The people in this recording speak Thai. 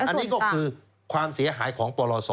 อันนี้ก็คือความเสียหายของปรศ